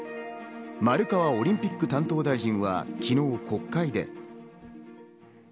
丸川オリンピック担当大臣は昨日国会で。